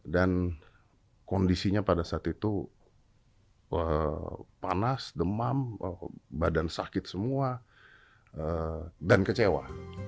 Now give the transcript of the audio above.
dan kondisinya pada saat itu panas demam badan sakit semua dan kecewa